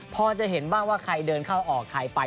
พอจะเห็นบ้างว่าใครเดินเข้าออกใครไป